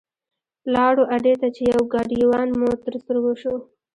لاړو اډې ته چې یو ګاډیوان مو تر سترګو شو.